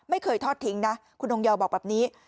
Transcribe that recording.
ไม่เคยทอดทิ้งนะคุณทงเยาวบอกแบบนี้